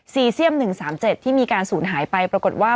เซียม๑๓๗ที่มีการสูญหายไปปรากฏว่า